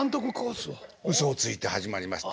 うそをついて始まりました。